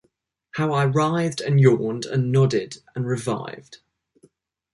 How I writhed, and yawned, and nodded, and revived!